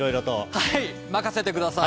はい、任せてください。